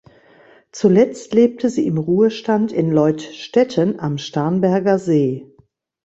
Zuletzt lebte sie im Ruhestand in Leutstetten am Starnberger See.